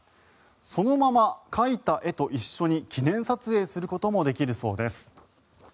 そのまま描いた絵と一緒に記念撮影することもできるそうです。